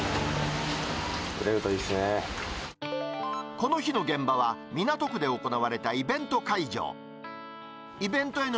この日の現場は、港区で行われたイベント会場。